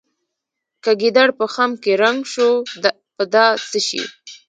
که ګیدړ په خم کې رنګ شو په دا څه شي.